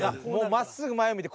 まっすぐ前を見て。